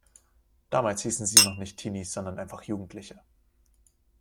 Damals hießen sie noch nicht Teenies sondern einfach Jugendliche.